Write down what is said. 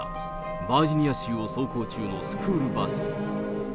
バージニア州を走行中のスクールバス。